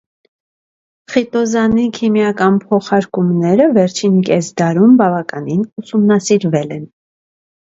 Խիտոզանի քիմիական փոխարկումները վերջին կես դարում բավականին ուսումնասիրվել են։